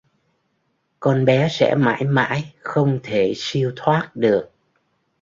Con bé sẽ mãi mãi không thể siêu thoát được